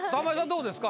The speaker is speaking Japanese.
どうですか？